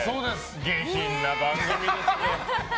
下品な番組ですね！